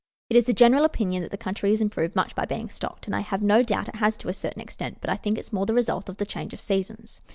It is the general opinion that the country has improved much by being stocked, and I have no doubt it has to a certain extent, but I think it ia more the result of the change of seasons.